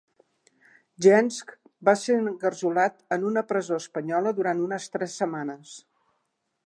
Jentzsch va ser engarjolat en una presó espanyola durant unes tres setmanes.